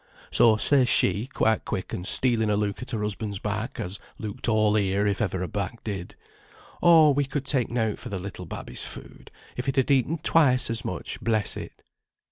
So says she, quite quick, and stealing a look at her husband's back, as looked all ear, if ever a back did, 'Oh, we could take nought for the little babby's food, if it had eaten twice as much, bless it.'